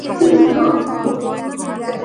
কেন এমন হইল!